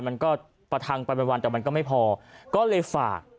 มันก็ประทังไปวันแต่มันก็ไม่พอก็เลยฝาก